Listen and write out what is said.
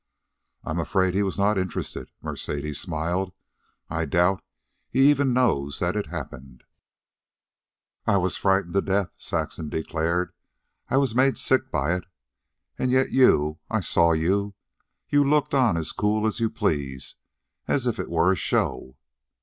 "I'm afraid he was not interested," Mercedes smiled. "I doubt he even knows that it happened." "I was frightened to death," Saxon declared. "I was made sick by it. And yet you I saw you you looked on as cool as you please, as if it was a show."